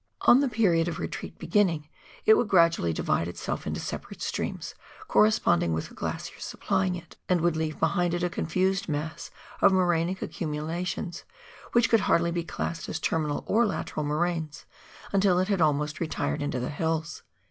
On the period of retreat beginning, it would gradually divide itself into separate streams, corresponding with the glaciers supplying it, and would leave behind it a confused mass of morainic accumula tions which could hardly be classed as terminal or lateral moraines until it had almost retired into the hills.